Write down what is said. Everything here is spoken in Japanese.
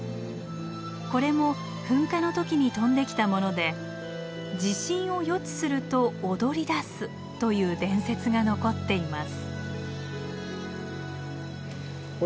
これも噴火の時に飛んできたもので地震を予知すると踊りだすという伝説が残っています。